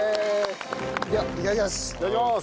ではいただきます。